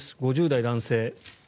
５０代男性。